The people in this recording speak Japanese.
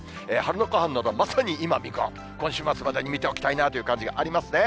榛名湖畔なんかはまさに今見頃と、今週末までに見ておきたいなという感じがありますね。